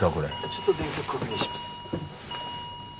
ちょっと電極確認します。